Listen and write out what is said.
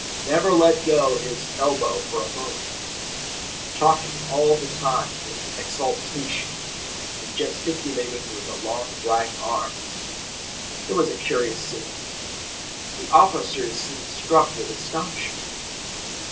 Never let go his elbow for a moment, talking all the time with exaltation, and gesticulating with a long black arm. It was a curious scene. The officers seemed struck with astonishment.